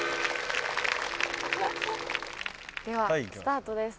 ではスタートです。